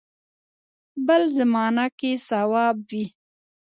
بل زمانه کې صواب وي.